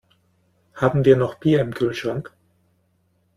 Haben wir noch Bier im Kühlschrank?